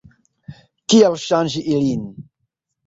Kial ŝanĝi ilin?